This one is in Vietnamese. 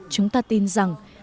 chúng ta tin rằng